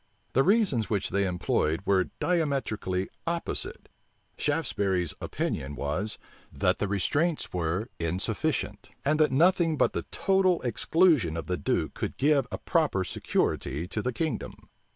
The reasons which they employed were diametrically opposite. Shaftesbury's opinion was, that the restraints were insufficient; and that nothing but the total exclusion of the duke could give a proper security to the kingdom.